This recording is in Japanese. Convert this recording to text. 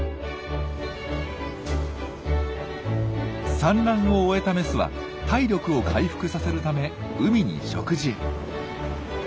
産卵を終えたメスは体力を回復させるため海に食事へ。